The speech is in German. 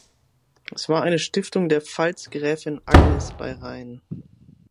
Es war eine Stiftung der Pfalzgräfin Agnes bei Rhein.